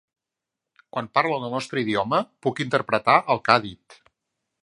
Quan parla en el nostre idioma, puc interpretar el que ha dit.